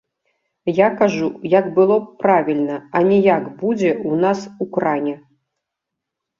Я кажу, як было б правільна, а не як будзе ў нас у кране.